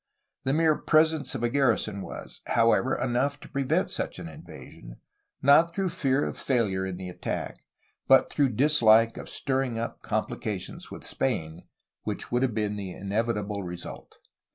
The mere presence of a garrison was, however, enough to prevent such an invasion, not through fear of failure in the attack, but through dislike of stirring up complications with Spain, which would have been the inevitable result.